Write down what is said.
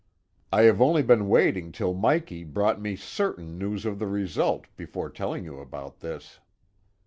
I have only been waiting till Mikey brought me certain news of the result before telling you about this."